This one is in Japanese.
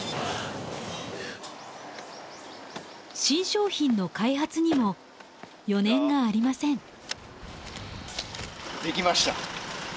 新商品の開発にも余念がありません。